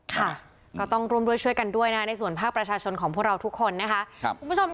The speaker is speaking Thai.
ค่ะก็ต้องรวมช่วยกันด้วยนะในส่วนภาคประชาชนของพวกเราทุกคนนะคะ